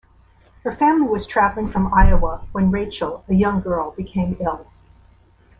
Her family was traveling from Iowa when Rachel, a young girl, became ill.